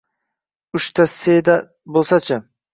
Uch ta Seda bo‘lsachi?